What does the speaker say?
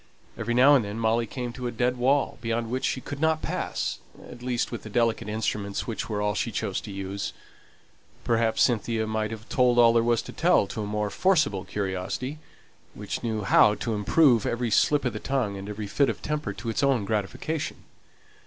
Every now and then Molly came to a dead wall, beyond which she could not pass at least with the delicate instruments which were all she chose to use. Perhaps Cynthia might have told all there was to tell to a more forcible curiosity, which knew how to improve every slip of the tongue and every fit of temper to its own gratification.